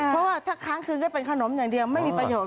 เพราะว่าถ้าค้างคืนก็เป็นขนมอย่างเดียวไม่มีประโยชน